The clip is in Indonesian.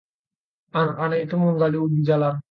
anak-anak itu menggali ubi jalar